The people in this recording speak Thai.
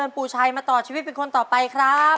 ปู่ชัยมาต่อชีวิตเป็นคนต่อไปครับ